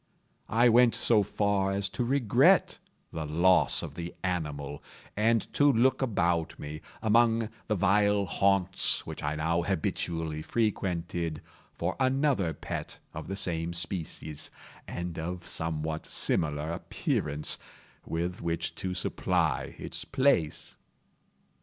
I went so far as to regret the loss of the animal, and to look about me, among the vile haunts which I now habitually frequented, for another pet of the same species, and of somewhat similar appearance, with which to supply its place.